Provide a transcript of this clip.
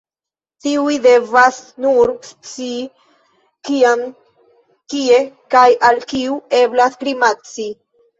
Tiuj devas nur scii, kiam, kie, kaj al kiu eblas grimaci.